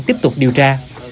tiếp tục điều tra